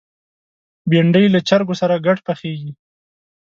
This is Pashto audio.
بېنډۍ له چرګو سره ګډ پخېږي